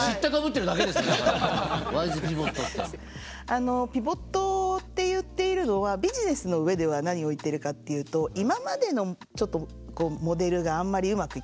あのピボットって言っているのはビジネスの上では何を言っているかっていうと今までのモデルがあんまりうまくいかなくなっちゃう。